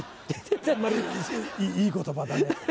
いい言葉だね。